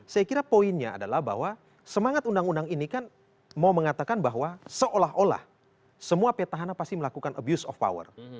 saya kira poinnya adalah bahwa semangat undang undang ini kan mau mengatakan bahwa seolah olah semua petahana pasti melakukan abuse of power